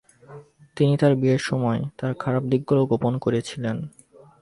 তিনি তার বিয়ের সময় তার খারাপ দিকগুলো গোপন করেছিলেন।